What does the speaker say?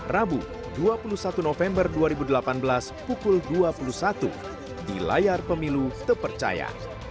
rabu dua puluh satu november dua ribu delapan belas pukul dua puluh satu di layar pemilu terpercaya